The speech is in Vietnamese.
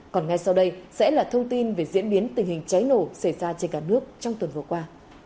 còn ngay sau đây sẽ là thông tin về diễn biến tình hình cháy nổ xảy ra trên cả nước trong tuần vừa qua